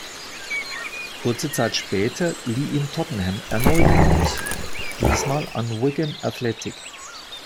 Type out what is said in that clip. Kurze Zeit später lieh ihn Tottenham erneut aus, diesmal an Wigan Athletic.